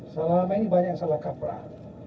selama ini banyak yang salah kaprah